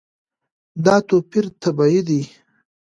دا توپیر طبیعي دی.